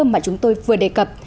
mà chúng tôi vừa đề cập